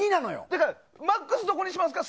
だからマックスどこにしますか？